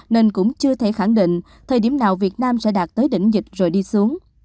nên cũng chưa thể khẳng định thời điểm nào việt nam sẽ đạt tới đỉnh dịch rồi đi xuống